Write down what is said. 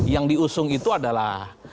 yang diusung itu adalah